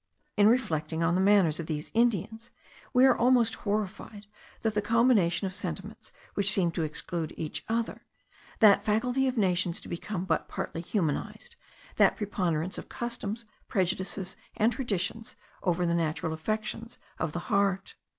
In reflecting on the manners of these Indians, we are almost horrified at that combination of sentiments which seem to exclude each other; that faculty of nations to become but partially humanized; that preponderance of customs, prejudices, and traditions, over the natural affections of the heart.